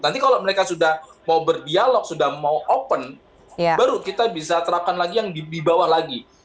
nanti kalau mereka sudah mau berdialog sudah mau open baru kita bisa terapkan lagi yang di bawah lagi